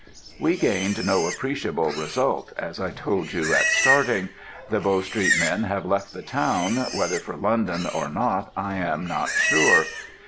We gained no appreciable result, as I told you at starting; the Bow Street men have left the town, whether for London or not, I am not sure.